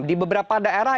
di beberapa daerah